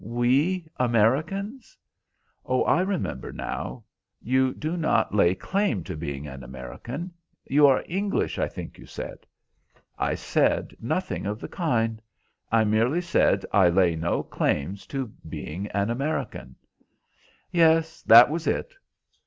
"We Americans?" "Oh, I remember now, you do not lay claim to being an American. You are English, I think you said?" "I said nothing of the kind. I merely said I lay no claims to being an American." "Yes, that was it."